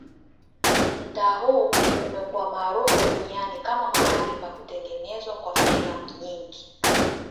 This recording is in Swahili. Mtaa huu umekuwa maarufu duniani kama mahali pa kutengenezwa kwa filamu nyingi.